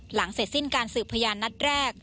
หลังเสร็จสิ้นการสืบพยานนัดแรก